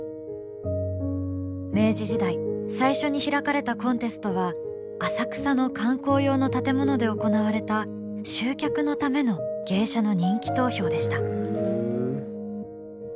明治時代最初に開かれたコンテストは浅草の観光用の建物で行われた集客のための芸者の人気投票でした。